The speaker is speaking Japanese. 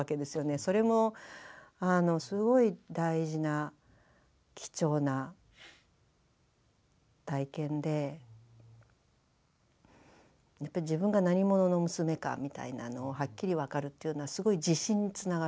それもすごい大事な貴重な体験でやっぱり自分が何者の娘かみたいなのをはっきり分かるというのはすごい自信につながる。